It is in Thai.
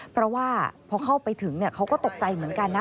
เพราะว่าพอเข้าไปถึงเขาก็ตกใจเหมือนกันนะ